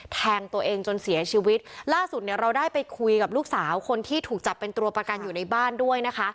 แทงตัวเองจนเสียชีวิตล่าสุดเนี่ยเราได้ไปคุยกับลูกสาวคนที่ถูกจับเป็นตัวประกันอยู่ในบ้านด้วยนะคะ